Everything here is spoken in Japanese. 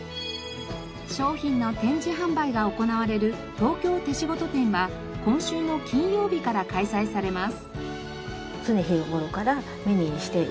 商品の展示販売が行われる東京手仕事展は今週の金曜日から開催されます。